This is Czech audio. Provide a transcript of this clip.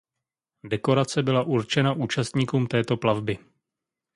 Dekorace byla určena účastníkům této plavby.